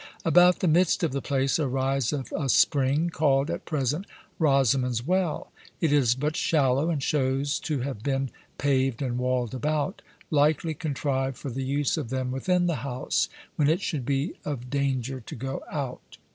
About the midst of the place ariseth a spring, called at present Rosamond's Well; it is but shallow, and shows to have been paved and walled about, likely contrived for the use of them within the house, when it should be of danger to go out.